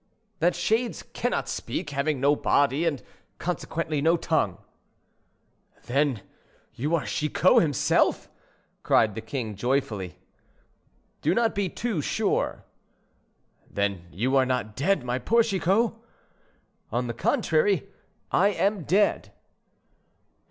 "That shades cannot speak, having no body, and consequently no tongue." "Then you are Chicot, himself?" cried the king, joyfully. "Do not be too sure." "Then you are not dead, my poor Chicot?" "On the contrary; I am dead."